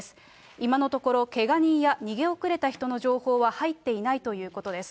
今のところ、けが人や逃げ遅れた人の情報は入っていないということです。